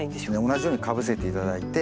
同じようにかぶせて頂いて。